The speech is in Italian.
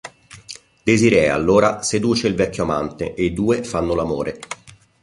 Desirée, allora, seduce il vecchio amante e i due fanno l'amore.